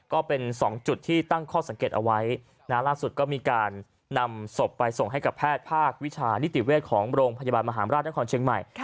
ก็เป็น๒จุดที่ตั้งข้อสังเกตเอาไว้ล่าสุดก็มีการนำศพไปส่งให้กับแพทย์ภาควิชานิติเวชของโรงพยาบาลมหาราชนครเชียงใหม่